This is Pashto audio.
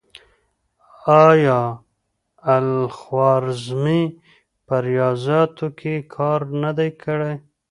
آیا الخوارزمي په ریاضیاتو کې کار نه دی کړی؟